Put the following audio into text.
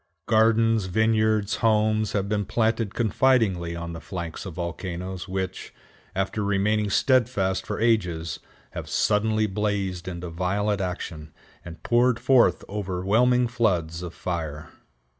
Gardens, vineyards, homes have been planted confidingly on the flanks of volcanoes which, after remaining steadfast for ages, have suddenly blazed into violent action, and poured forth overwhelming floods of fire.